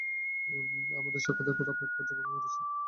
আমাদের সাক্ষাতের পর আপনাকে পর্যবেক্ষণ করেছি!